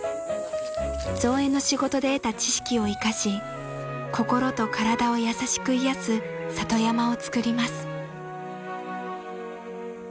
［造園の仕事で得た知識を生かし心と体を優しく癒やす里山を造ります］